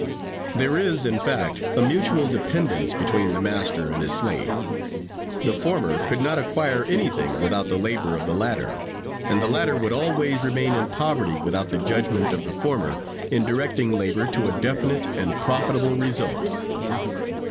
There is, in fact, a mutual dependence between the master and his slave. The former could not acquire any thing without the labor of the latter, and the latter would always remain in poverty without the judgment of the former in directing labor to a definite and profitable result.